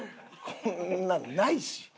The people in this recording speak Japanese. こんなんないし！